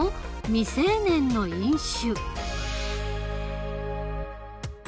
未成年の飲酒」。